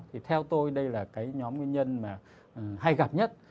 thì theo tôi đây là cái nhóm nguyên nhân mà hay gặp nhất